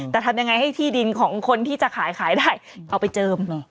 แต่ทำยังไงให้ที่ดินของคนที่จะขายขายได้เอาไปเจิมเหรอ